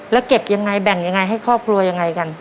แล้วเก็บยังไงแบ่งยังไงให้ครอบครัวยังไงกัน